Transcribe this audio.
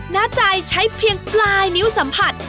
หน้าใจใช้เพียงปลายนิ้วสัมผัส